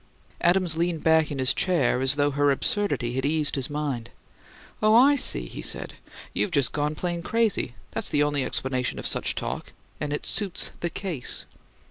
Adams leaned back in his chair as though her absurdity had eased his mind. "Oh, I see," he said. "You've just gone plain crazy. That's the only explanation of such talk, and it suits the case."